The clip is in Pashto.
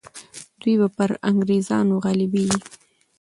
دوی به پر انګریزانو غالبیږي.